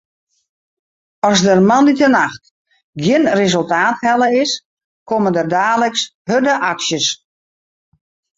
As der moandeitenacht gjin resultaat helle is, komme der daliks hurde aksjes.